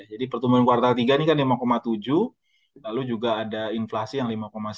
pertumbuhan kuartal tiga ini kan lima tujuh lalu juga ada inflasi yang lima sembilan